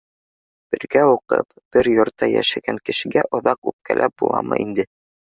Бергә уҡып, бер йортта йәшәгән кешегә оҙаҡ үпкәләп буламы инде?!